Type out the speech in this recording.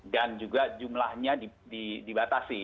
dan juga jumlahnya dibatasi